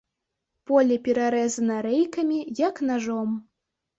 Поле перарэзана рэйкамі, як нажом.